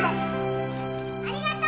ありがとう！